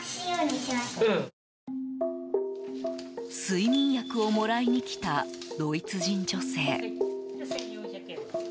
睡眠薬をもらいにきたドイツ人女性。